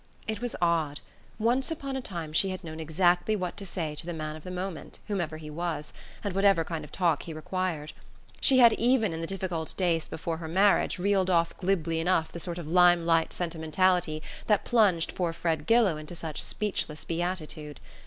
It was odd once upon a time she had known exactly what to say to the man of the moment, whoever he was, and whatever kind of talk he required; she had even, in the difficult days before her marriage, reeled off glibly enough the sort of lime light sentimentality that plunged poor Fred Gillow into such speechless beatitude.